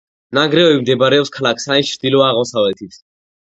ნანგრევები მდებარეობს ქალაქ სანის ჩრდილო-აღმოსავლეთით.